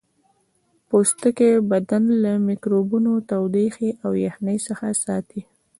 پوستکی بدن له میکروبونو تودوخې او یخنۍ څخه ساتي